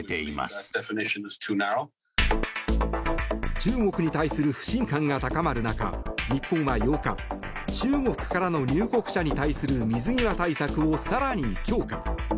中国に対する不信感が高まる中日本は８日中国からの入国者に対する水際対策を更に強化。